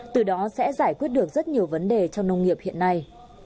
từ đó sẽ giải quyết được rất nhiều vấn đề trong nông nghiệp hiện nay